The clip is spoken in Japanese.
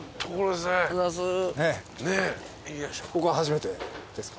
ここは初めてですか？